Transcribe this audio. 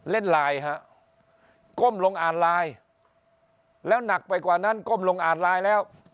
เล่นไลน์ฮะก้มลงอ่านไลน์แล้วหนักไปกว่านั้นก้มลงอ่านไลน์แล้ว